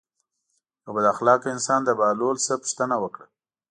یو بد اخلاقه انسان د بهلول نه پوښتنه وکړه.